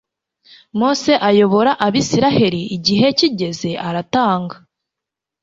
mose ayobora abiiraheli igih kigeze aratanga